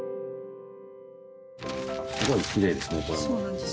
すごいきれいですねこれも。